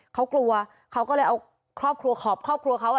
เขาก็เลยเอาครอบครัวขอบครอบครัวเขา